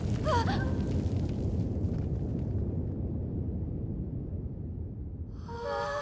あ⁉あ！